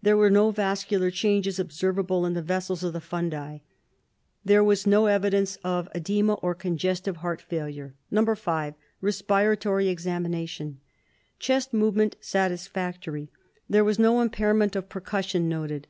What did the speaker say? There were no vascular changes observable in the vessels of the fundi. There was no evidence of cedema or of congestive heart failure. 5. Respiratory Examination: Chest movement satisfactory. There was no impairment of percussion noted.